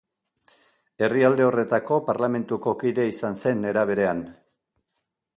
Herrialde horretako Parlamentuko kidea izan zen, era berean.